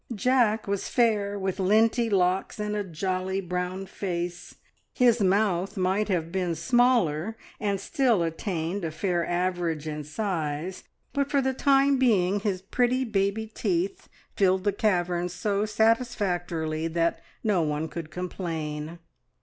Jack was fair, with linty locks and a jolly brown face. His mouth might have been smaller and still attained a fair average in size, but for the time being his pretty baby teeth filled the cavern so satisfactorily, that no one could complain.